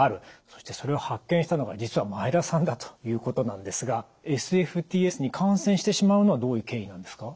そしてそれを発見したのが実は前田さんだということなんですがＳＦＴＳに感染してしまうのはどういう経緯なんですか？